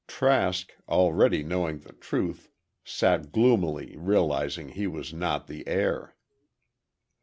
Trask, already knowing the truth, sat gloomily realizing he was not the heir.